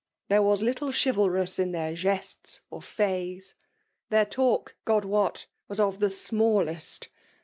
there was little chivalrous in then* gestes or faiis. Thebr talk, Grod wot, was of the smallest